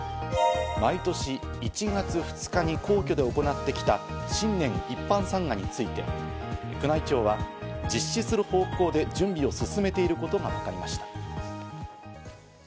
毎年１月２日に皇居で行ってきた新年一般参賀について、宮内庁は実施する方向で進めていることがわかりました。